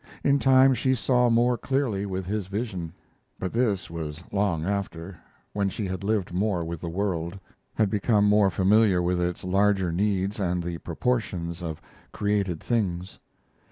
In time she saw more clearly with his vision, but this was long after, when she had lived more with the world, had become more familiar with its larger needs, and the proportions of created things.